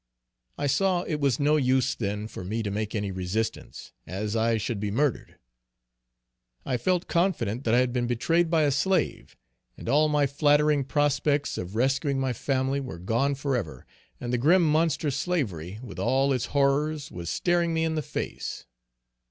I saw it was no use then for me to make any resistance, as I should be murdered. I felt confident that I had been betrayed by a slave, and all my flattering prospects of rescuing my family were gone for ever, and the grim monster slavery with all its horrors was staring me in the face.